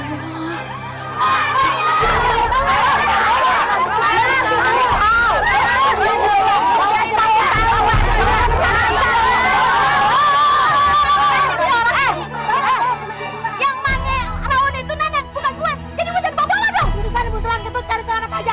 jangan dibunuh tulang ketut cari salah nama pajak